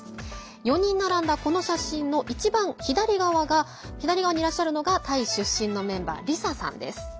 ４人並んだこの写真の一番左にいらっしゃるのがタイ出身のメンバーＬＩＳＡさんです。